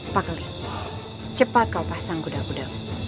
pak keli cepat kau pasang kuda kuda